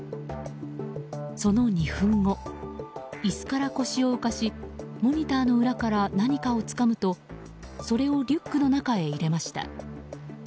その２分後椅子から腰を浮かしモニターの裏から何かをつかむとそれをリュックの中へ入れました。